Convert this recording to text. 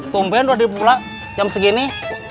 tumpen udah pulak jam segini